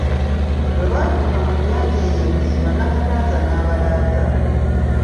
Bwe baatuuka mu nnyanja eyo mu buziba Nakatanza n'abalaata.